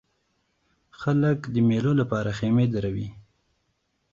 خلک د مېلو له پاره خیمې دروي.